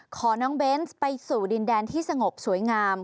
ขอน้องเบนส์ไปสู่ดินแดนที่สงบสวยงาม